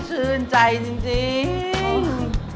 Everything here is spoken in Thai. ชื่นใจจริง